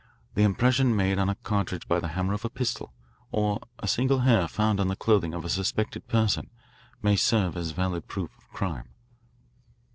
The impression made on a cartridge by the hammer of a pistol, or a single hair found on the clothing of a suspected person, may serve as valid proof of crime.